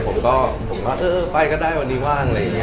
ผมก็ผมว่าเออไปก็ได้วันนี้ว่างอะไรอย่างนี้